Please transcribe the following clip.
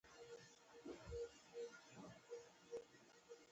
د لوی ننګرهار نوم به مو له خپلو مشرانو اورېدلی وي.